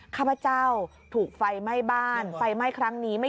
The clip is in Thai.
กับไฟฟ้าและบ่งจร